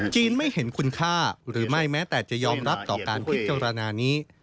ไม่เห็นคุณค่าหรือไม่แม้แต่จะยอมรับต่อการพิจารณานี้